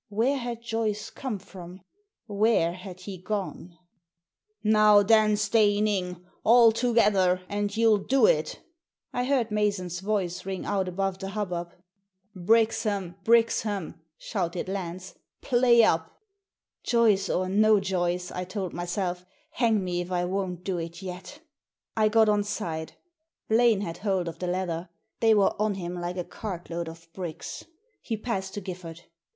Where had Joyce come from ? Where had he gone ? "Now then, Steyning! All together, and you'll do it!" I heard Mason's voice ring out above the hubbub. " Brixham, Brixham !" shouted Lance. " Play up! " "Joyce or no Joyce," I told myself, "hang me if I won't do it yet !" Digitized by VjOOQIC THE FIFTEENTH MAN 163 I got on side. Blaine had hold of the leather. They were on him like a cartload of bricks. He passed to GifTard.